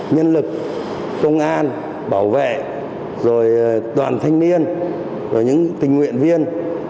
nhân lực công an bảo vệ rồi toàn thanh niên rồi những tình nguyện viên